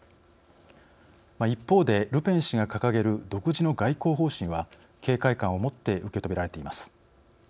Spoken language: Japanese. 一方で、ルペン氏が掲げる独自の外交方針は警戒感を持って受け止められています。